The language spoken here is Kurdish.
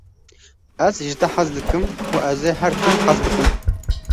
Ez ji te hez dikim û ez ê her tim hez bikim.